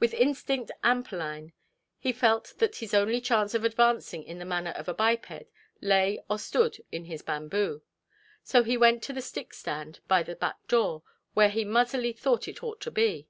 With instinct ampeline he felt that his only chance of advancing in the manner of a biped lay or stood in his bamboo. So he went to the stick–stand by the back–door, where he muzzily thought it ought to be.